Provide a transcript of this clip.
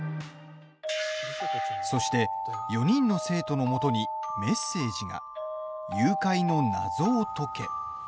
そして、４人の生徒のもとにメッセージが「誘拐の謎を解け」。